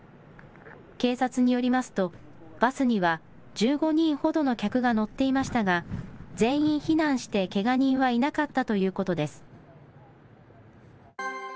警察によりますと、バスには１５人ほどの客が乗っていましたが、全員避難してけが人はいなかったということです。